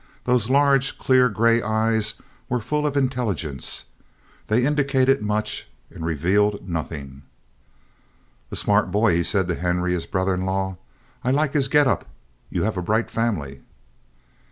Those large, clear gray eyes were full of intelligence. They indicated much and revealed nothing. "A smart boy!" he said to Henry, his brother in law. "I like his get up. You have a bright family."